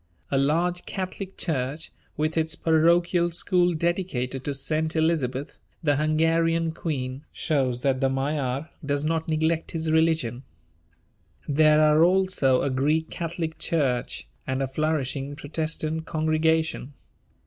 A large Catholic church, with its parochial school dedicated to St. Elizabeth, the Hungarian queen, shows that the Magyar does not neglect his religion. There are also a Greek Catholic church and a flourishing Protestant congregation.